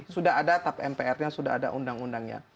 sudah ada tap mpr nya sudah ada undang undangnya